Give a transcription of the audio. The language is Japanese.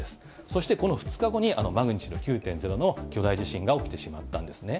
そしてこの２日後に、あのマグニチュード９．０の巨大地震が起きてしまったんですね。